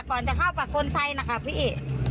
ก่อนจะเข้ากับคนไทยนะคะพี่